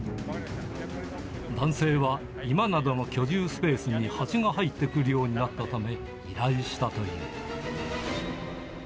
男性は居間などの居住スペースにハチが入ってくるようになったため、依頼したという。